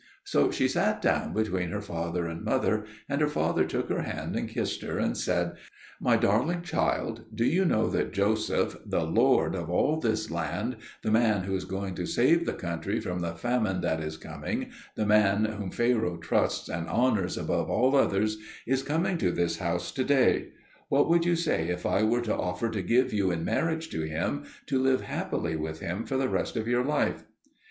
So she sat down between her father and mother, and her father took her hand and kissed her, and said, "My darling child, do you know that Joseph, the lord of all this land, the man who is going to save the country from the famine that is coming the man whom Pharaoh trusts and honours above all others, is coming to this house to day? What would you say if I were to offer to give you in marriage to him, to live happily with him for the rest of your life?"